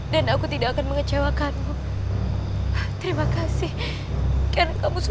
dan aku tidak akan mengecewakanmu